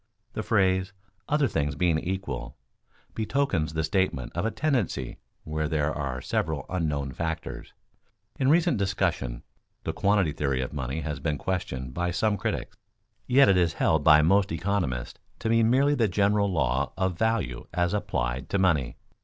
The phrase "other things being equal" betokens the statement of a tendency where there are several unknown factors. In recent discussion the quantity theory of money has been questioned by some critics; yet it is held by most economists to be merely the general law of value as applied to money.